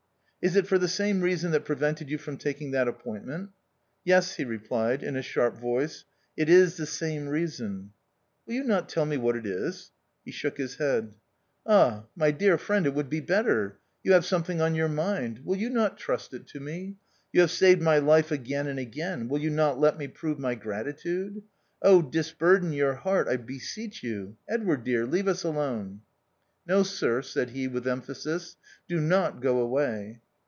"Is it for the same reason that prevented you from taking that appointment?" "Yes," he replied in a sharp voice, " it is the same reason." "Will you not tell me what it is?" (He shook his head.) "Ah, my 64 THE OUTCAST. dear friend, it would be better. You have something on your mind ; will you not trust it to me ? You have saved my life again and again ; will you not let me prove my gratitude? Oh, disburden your heart, I beseech you. Edward, dear, leave us alone." " No, sir," said he with emphasis, " do not go away."